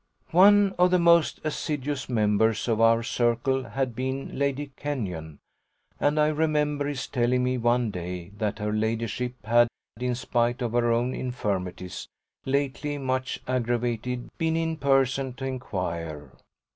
One of the most assiduous members of our circle had been Lady Kenyon, and I remember his telling me one day that her ladyship had in spite of her own infirmities, lately much aggravated, been in person to inquire.